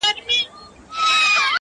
په سلگونو یې کورونه وه لوټلي-